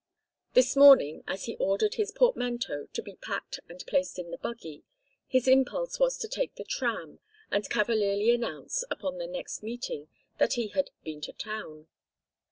This morning, as he ordered his portmanteau to be packed and placed in the buggy, his impulse was to take the tram, and cavalierly announce, upon their next meeting, that he had "been to town."